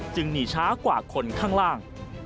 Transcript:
หนีช้ากว่าคนข้างล่าง